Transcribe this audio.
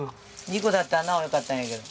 ２個だったらなおよかったんやけど。